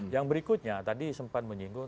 yang berikutnya tadi sempat menyinggung